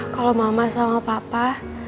kalau mama sama papa